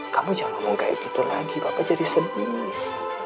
kamu jangan ngomong kayak gitu lagi bapak jadi sedih